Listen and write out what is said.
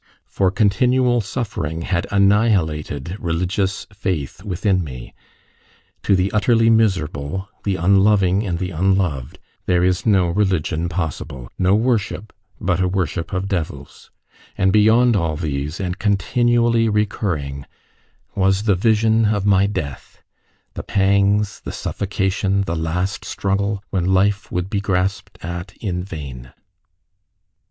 For continual suffering had annihilated religious faith within me: to the utterly miserable the unloving and the unloved there is no religion possible, no worship but a worship of devils. And beyond all these, and continually recurring, was the vision of my death the pangs, the suffocation, the last struggle, when life would be grasped at in vain.